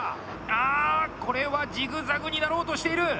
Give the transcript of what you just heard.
あ、これはジグザグになろうとしている！